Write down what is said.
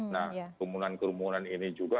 nah kerumunan kerumunan ini juga